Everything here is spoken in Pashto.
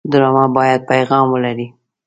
ډرامه باید پیغام ولري